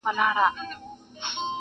ساقي د میو ډک جامونه په نوبت وېشله-